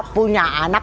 punya anak dua puluh